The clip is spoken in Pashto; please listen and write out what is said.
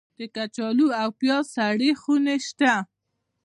د کچالو او پیاز سړې خونې شته؟